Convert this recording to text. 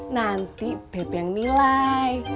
nanti beb yang nilai